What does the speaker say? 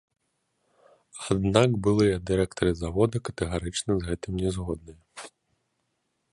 Аднак былыя дырэктары завода катэгарычна з гэтым не згодныя.